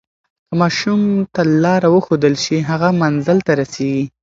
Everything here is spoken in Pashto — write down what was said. که ماشوم ته لاره وښودل شي، هغه منزل ته رسیږي.